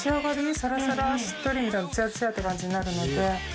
サラサラしっとりツヤツヤって感じになるので。